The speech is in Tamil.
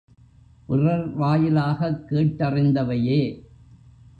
பிறர் வாயிலாகக் கேட்டறிந்தவையே.